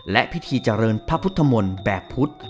และพิธีเจริญพระพุทธมนตร์แบบพุทธ